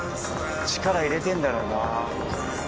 力入れてるんだろうな。